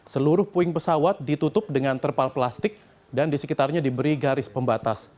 seluruh puing pesawat ditutup dengan terpal plastik dan di sekitarnya diberi garis pembatas